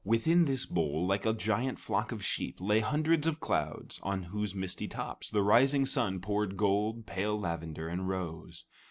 Within this bowl, like a giant flock of sheep, lay hundreds of clouds on whose misty tops the rising sun poured gold, pale lavender, and rose.